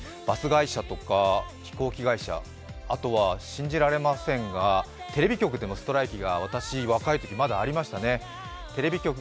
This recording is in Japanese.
バス会社とか飛行機会社、あとは信じられませんがテレビ局でもストライキがありましたね。